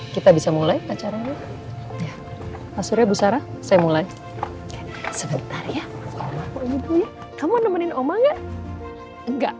kita bisa mulai acaranya asalnya busara saya mulai sebentar ya kamu nemenin omong enggak